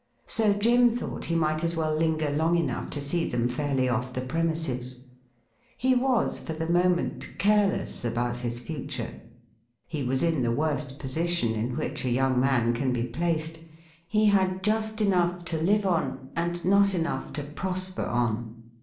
So Jim thought he might as well lingei* Jong enough to see them fairly off the premises. He was for the moment careless about his future. He was in the 'worst position in which a young man can be placed ; he .had just enough to live on, and not enough to prosper on.